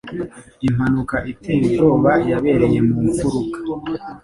Impanuka iteye ubwoba yabereye mu mfuruka.